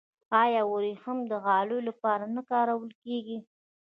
آیا وریښم د غالیو لپاره نه کارول کیږي؟